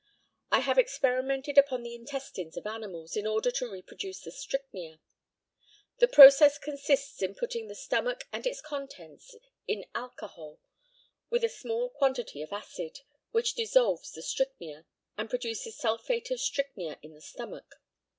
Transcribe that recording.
I have experimented upon the intestines of animals, in order to reproduce the strychnia. The process consists in putting the stomach and its contents in alcohol, with a small quantity of acid, which dissolves the strychnia, and produces sulphate of strychnia in the stomach.